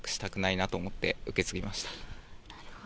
なるほど。